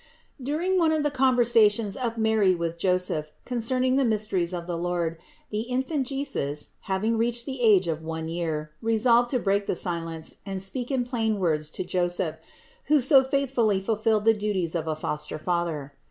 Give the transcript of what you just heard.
681. During one of the conversations of Mary with Joseph concerning the mysteries of the Lord, the Infant Jesus, having reached the age of one year, resolved to break the silence and speak in plain words to Joseph, who so faithfully fulfilled the duties of a foster father.